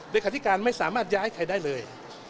เลขาธิการไม่สามารถย้ายใครได้เลย